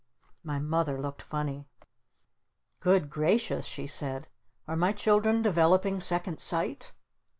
My Mother looked funny. "Good Gracious," she said. "Are my children developing 'Second Sight'?